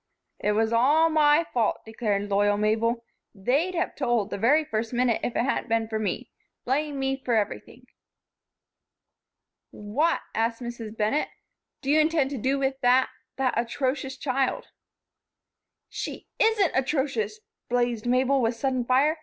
"It was all my fault," declared loyal Mabel. "They'd have told, the very first minute, if it hadn't been for me. Blame me for everything." "What," asked Mrs. Bennett, "do you intend to do with that that atrocious child?" "She isn't atrocious!" blazed Mabel, with sudden fire.